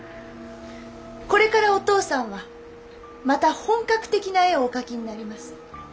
これからお父さんはまた本格的な絵をお描きになります。